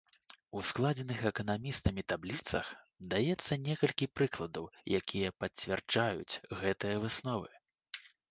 У складзеных эканамістамі табліцах даецца некалькі прыкладаў, якія пацвярджаюць гэтыя высновы.